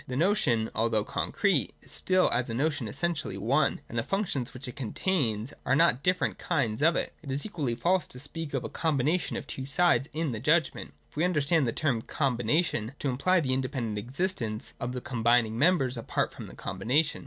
The notion, although concrete, is still as a notion essentially one, and the functions which it contains are not different kinds of it. It is equally false to speak of a combination of the two sides in the judgment, if we understand the term ' combination ' to imply the inde pendent existence of the combining members apart from the combination.